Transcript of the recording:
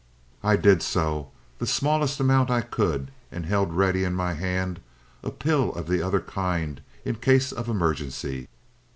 I did so the smallest amount I could and held ready in my hand a pill of the other kind in case of emergency.